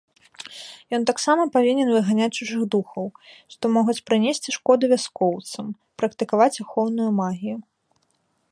Ён таксама павінен выганяць чужых духоў, што могуць прынесці шкоду вяскоўцам, практыкаваць ахоўную магію.